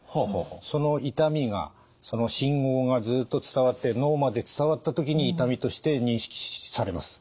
その痛みがその信号がずっと伝わって脳まで伝わった時に痛みとして認識されます。